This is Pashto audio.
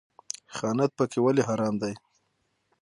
خیانت پکې ولې حرام دی؟